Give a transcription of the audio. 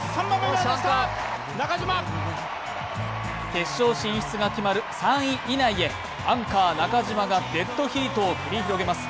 決勝進出が決まる３位以内でアンカー・中島がデッドヒートを繰り広げます。